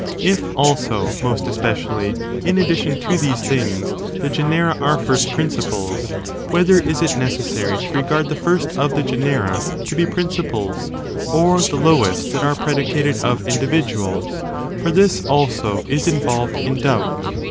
If, also, 'most especially, in addition to these ' things, the genera are first principles, whether is it necessary to regard the first of the genera to be principles, or the lowest that are predicated of individuals ? for this, also, is involved in doubt.